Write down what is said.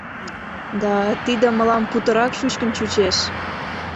Да тиде мылам путырак шучкын чучеш.